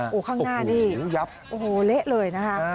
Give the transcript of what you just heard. โอ้โฮข้างหน้าดิโอ้โฮเละเลยนะคะ